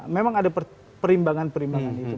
memang ada perimbangan perimbangan itu